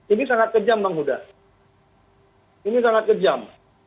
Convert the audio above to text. ini sangat kejam bang huda ini sangat kejam